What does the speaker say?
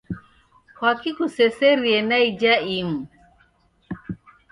Kwaki kuseserie na ija imu?